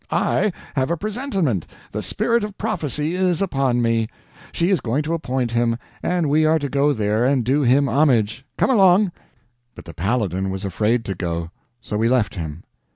I have a presentiment—the spirit of prophecy is upon me. She is going to appoint him, and we are to go there and do him homage. Come along!" But the Paladin was afraid to go, so we left him.